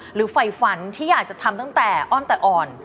ไฟฝันที่อยากจะทำตั้งแต่อ้อนแต่อ่อน